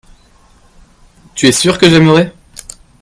tu es sûr que j'aimerais.